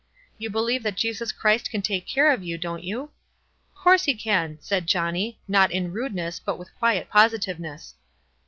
" You believe that Jesus Christ can take care of you, don't you?" "'Course he can," said Johnny, not in rude ness, but with quiet positiveness.